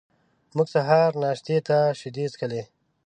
موږ سهار ناشتې ته شیدې څښلې.